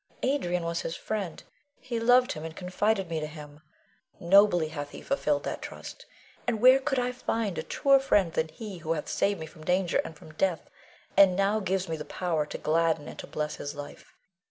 Adrian was his friend; he loved him, and confided me to him. Nobly hath he fulfilled that trust, and where could I find a truer friend than he who hath saved me from danger and from death, and now gives me the power to gladden and to bless his life.